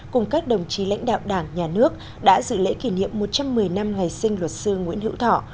cùng các đồng chí lãnh đạo đảng nhà nước đã dự lễ kỷ niệm một trăm một mươi năm ngày sinh luật sư nguyễn hữu thọ